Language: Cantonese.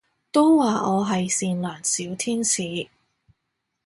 都話我係善良小天使